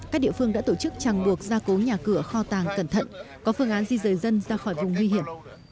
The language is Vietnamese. các địa phương đã tổ chức chẳng buộc gia cố nhà cửa kho tàng cẩn thận có phương án di rời dân ra khỏi vùng nguy hiểm